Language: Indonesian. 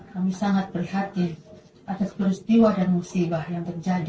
kami sangat prihatin atas peristiwa dan musibah yang terjadi